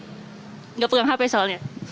tidak pegang hp soalnya